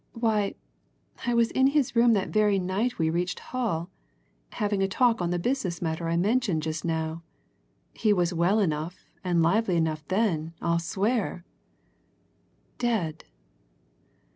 Why, I was in his room that very night we reached Hull, having a talk on the business matter I mentioned just now he was well enough and lively enough then, I'll swear. Dead!